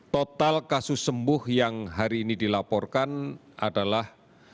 total kasus sembuh yang hari ini dilaporkan adalah